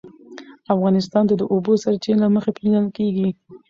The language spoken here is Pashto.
افغانستان د د اوبو سرچینې له مخې پېژندل کېږي.